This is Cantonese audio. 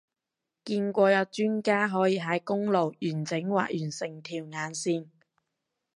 見過有專家可以喺公路完整畫完成條眼線